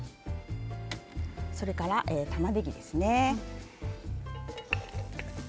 それから、たまねぎです。